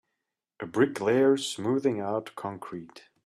A bricklayer smoothing out concrete.